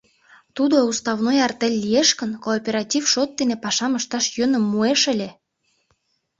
Тудо уставной артель лиеш гын, кооператив шот дене пашам ышташ йӧным муэш ыле.